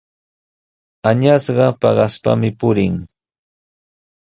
Añasqa paqaspami purin.